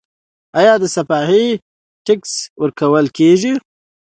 آیا د صفايي ټکس ورکول کیږي؟